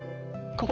ここ。